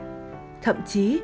ngoại thậm chí